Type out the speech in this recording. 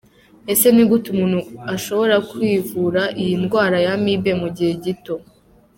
Ese ni gute umuntu ashobora kwivura iyi ndwara ya amibe mu gihe gito?.